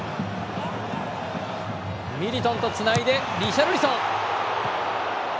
ミリトンとつないでリシャルリソン。